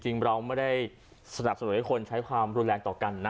จริงเราไม่ได้สนับสนุนให้คนใช้ความรุนแรงต่อกันนะ